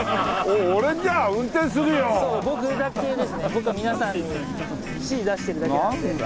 僕は皆さんに指示出してるだけなので。